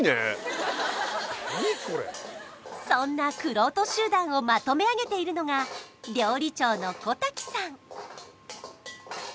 そんな玄人集団をまとめあげているのが料理長の小滝さん